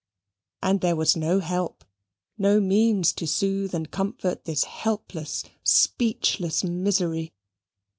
And there was no help: no means to soothe and comfort this helpless, speechless misery.